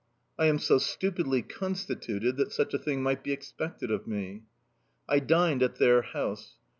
I am so stupidly constituted that such a thing might be expected of me. I dined at their house.